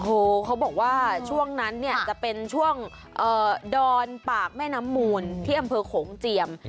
โอ้โหเขาบอกว่าช่วงนั้นเนี่ยจะเป็นช่วงดอนปากแม่น้ำมูลที่อำเภอโขงเจียม